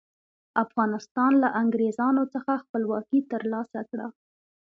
افغانستان له انګریزانو څخه خپلواکي تر لاسه کړه.